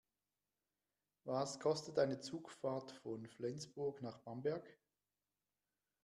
Was kostet eine Zugfahrt von Flensburg nach Bamberg?